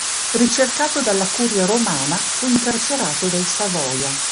Ricercato dalla Curia romana, fu incarcerato dai Savoia.